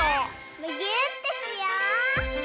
むぎゅーってしよう！